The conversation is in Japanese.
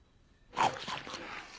はい。